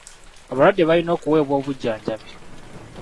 Abalwadde balina okuweebwa obujjanjabi.